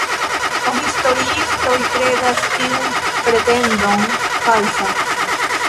Historiistoj kredas tiun pretendon falsa.